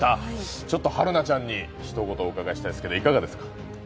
ちょっと春菜ちゃんにひと言お伺いしたいですけど、いかがですか？